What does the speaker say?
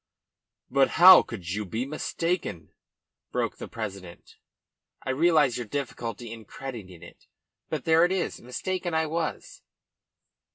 "But how could you be mistaken?" broke from the president. "I realise your difficulty in crediting, it. But there it is. Mistaken I was."